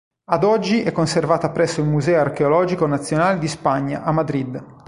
Ad oggi è conservata presso il Museo archeologico nazionale di Spagna a Madrid.